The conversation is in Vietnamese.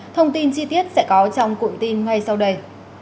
thông tin chi tiết sẽ có trong cụm tin ngay sau đây